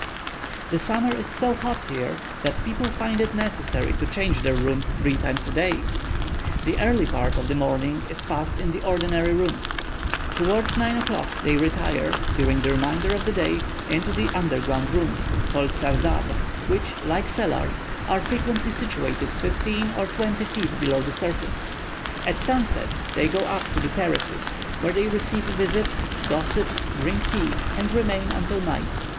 The summer is so hot here, that people find it necessary to change their rooms three times a day. The early part of the morning is passed in the ordinary rooms; towards 9 o'clock they retire, during the remainder of the day, into the underground rooms, called sardab, which, like cellars, are frequently situated fifteen or twenty feet below the surface; at sunset they go up on to the terraces, where they receive visits, gossip, drink tea, and remain until night.